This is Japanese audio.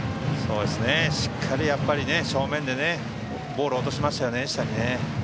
しっかり正面でボールを下に落としましたよね。